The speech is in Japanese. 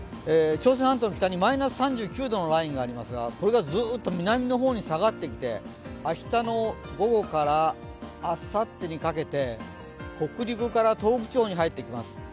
朝鮮半島の北に、マイナス３９度のラインがありますがこれがずーっと南の方に下がってきて、明日の午後からあさってにかけて、北陸から東北地方に入ってきます。